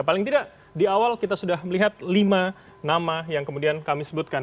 paling tidak di awal kita sudah melihat lima nama yang kemudian kami sebutkan